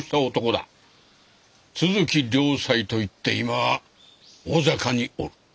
都筑良斎といって今は大坂におる。